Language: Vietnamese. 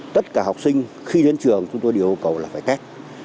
tất cả học sinh khi đến trường chúng tôi đều yêu cầu là phải cách